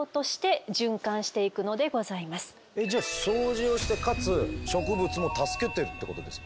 じゃあ掃除をしてかつ植物も助けてるってことですか？